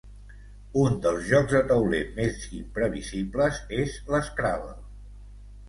Un dels jocs de tauler més imprevisibles és l'Scrabble.